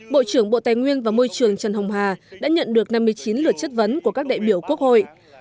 bộ trưởng bộ tài nguyên và môi trường trần hồng hà đã nhận được năm mươi chín lượt chất vấn của các đại biểu quốc hội